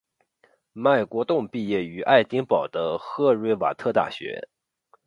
麦国栋毕业于爱丁堡的赫瑞瓦特大学。